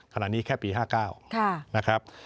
ขณะนี้แค่ปี๕๙นะครับ